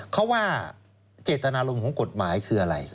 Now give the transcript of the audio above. เขาว่าเจตนารมณ์ของกฎหมายคืออะไร